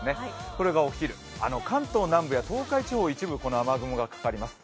これがお昼、関東南部や東海地方は一部この雨雲がかかります。